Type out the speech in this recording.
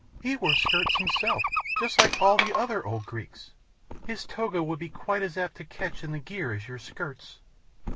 "He wore skirts himself, just like all the other old Greeks. His toga would be quite as apt to catch in the gear as your skirts."